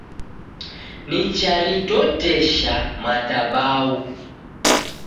Nicharitotesha madhabahu